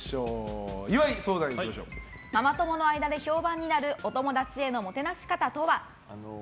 ママ友の間で評判になるお友達へのもてなし方とは？